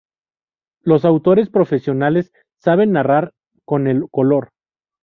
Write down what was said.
Los autores profesionales saben "narrar" con el color.